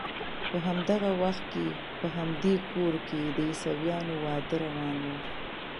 په همدغه وخت کې په همدې کور کې د عیسویانو واده روان و.